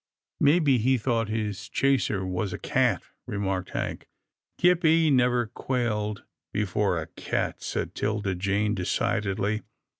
"Maybe he thought his chaser was a cat," re marked Hank. " Gippie never quailed before a cat," said 'Tilda Jane decidedly.